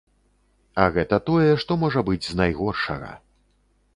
А гэта тое, што можа быць з найгоршага.